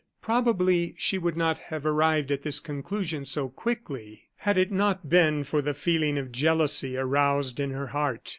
Probably she would not have arrived at this conclusion so quickly, had it not been for the feeling of jealousy aroused in her heart.